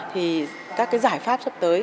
thì các cái giải pháp sắp tới